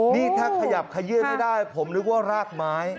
นี่ถ้าขยับขยื่นให้ได้ผมนึกว่ารากไม้